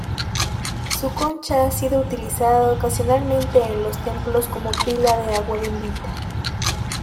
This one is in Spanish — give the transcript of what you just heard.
Su concha ha sido utilizada ocasionalmente en los templos como pila de agua bendita.